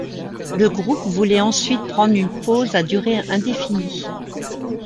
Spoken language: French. Le groupe voulait ensuite prendre une pause à durée indéfinie.